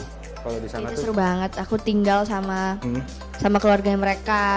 itu seru banget aku tinggal sama keluarganya mereka